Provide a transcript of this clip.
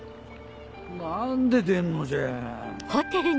何で出んのじゃ！